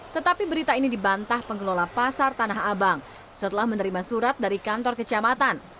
tetapi berita ini dibantah pengelola pasar tanah abang setelah menerima surat dari kantor kecamatan